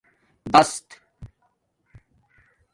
دَست